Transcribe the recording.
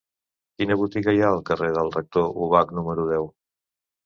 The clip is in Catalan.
Quina botiga hi ha al carrer del Rector Ubach número deu?